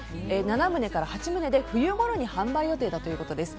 ７棟から８棟で冬ごろに販売予定だということです。